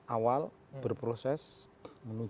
awal berproses menuju